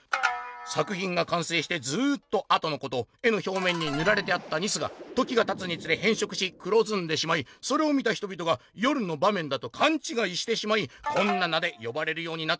「作ひんがかんせいしてずっとあとのこと絵のひょうめんにぬられてあったニスが時がたつにつれへん色し黒ずんでしまいそれを見た人びとが夜の場面だと勘違いしてしまいこんな名で呼ばれるようになったんだそうな」。